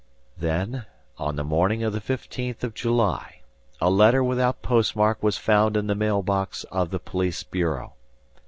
Then on the morning of the fifteenth of July, a letter without postmark was found in the mailbox of the police bureau.